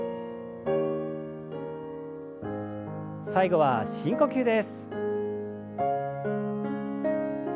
最後は深呼吸です。